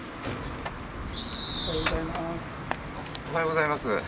おはようございます。